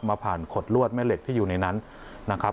ผ่านขดลวดแม่เหล็กที่อยู่ในนั้นนะครับ